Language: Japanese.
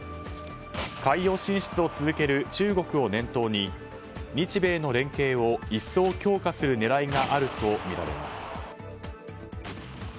海洋進出を続ける中国を念頭に日米の連携を一層強化する狙いがあるとみられます。